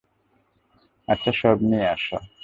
আচ্ছা, সব নিয়ে আসো।